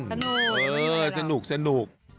สนุกอยู่ไหนล่ะสนุก